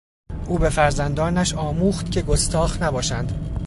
او به فرزندانش آموخت که گستاخ نباشند.